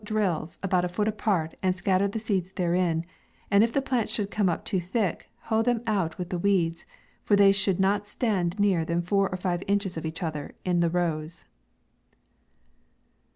drills, about a foot apart, and scatter the seeds therein ; and if the plants should come up too thick, hoe them out with the weeds, for tney should not stand nearer than four or five inches of each other in the rows.